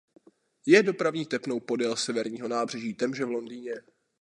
Je dopravní tepnou podél severního nábřeží Temže v Londýně.